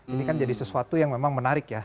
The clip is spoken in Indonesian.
ini kan jadi sesuatu yang memang menarik ya